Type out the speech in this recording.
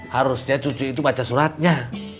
harusnya cucu itu baca suratnya